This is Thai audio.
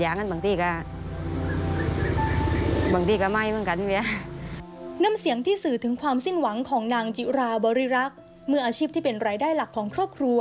น้ำเสียงที่สื่อถึงความสิ้นหวังของนางจิราบริรักษ์เมื่ออาชีพที่เป็นรายได้หลักของครอบครัว